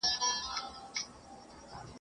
له لمني یې د وینو زڼي پاڅي ..